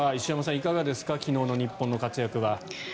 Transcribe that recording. いかがですか昨日の日本の活躍は。